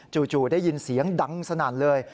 จู่ได้ยินเสียงดังสนั่นเลย